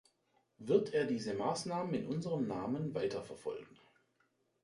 Wird er diese Maßnahmen in unserem Namen weiterverfolgen?.